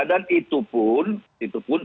dan itu pun